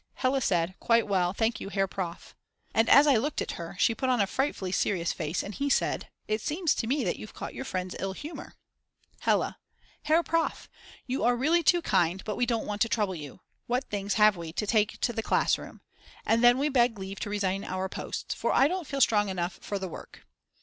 Hella said: "Quite well, thank you, Herr Prof." And as I looked at her she put on a frightfully serious face and he said: It seems to me that you've caught your friend's ill humour. Hella: "Herr Prof., you are really too kind, but we don't want to trouble you. What things have we to take to the class room? And then we beg leave to resign our posts, for I don't feel strong enough for the work."